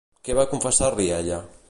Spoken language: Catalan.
Què va confessar-li ella?